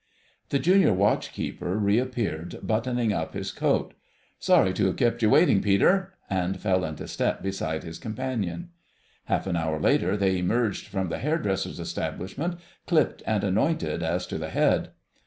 The Junior Watch keeper reappeared, buttoning up his coat. "Sorry to have kept you waiting, Peter," and fell into step beside his companion. Half an hour later they emerged from the hairdresser's establishment, clipped and anointed as to the head.